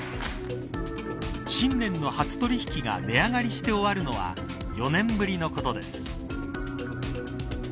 新年の初取引が値上がりして終わるのは４年ぶりのことです。